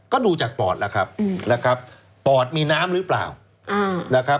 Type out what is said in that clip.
ก็ดูจากปอดนะครับปอดมีน้ำหรือเปล่า